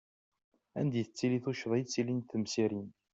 Anda i tettili tuccḍa i ttilint temsirin!